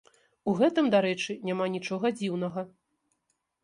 У гэтым, дарэчы, няма нічога дзіўнага.